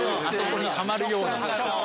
あそこにはまるように。